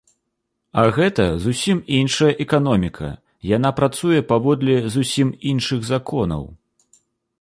А гэта зусім іншая эканоміка, яна працуе паводле зусім іншых законаў!